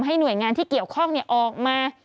หน่วยงานที่เกี่ยวข้องออกมา